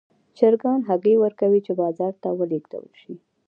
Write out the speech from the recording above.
چرګان هګۍ ورکوي چې بازار ته ولېږدول شي.